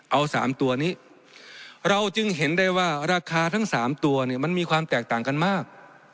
เอา๓ตัวนี้เราจึงเห็นได้ว่าราคาทั้ง๓ตัวเนี่ยมันมีความแตกต่างกันมาก